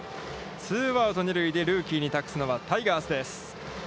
ツーアウト、二塁でルーキーに託すのはタイガースです。